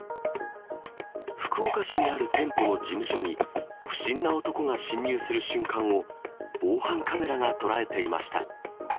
福岡市にある店舗の事務所に、不審な男が侵入する瞬間を、防犯カメラが捉えていました。